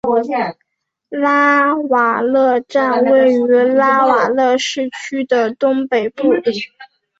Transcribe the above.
拉瓦勒站位于拉瓦勒市区的东北部。